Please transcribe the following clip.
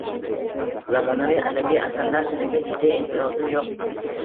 Zamonaviy adabiy asarlar tiliga jiddiy e’tirozim yo‘q.